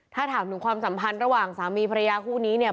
ถ้าถามถึงความสัมพันธ์ระหว่างสามีภรรยาคู่นี้เนี่ย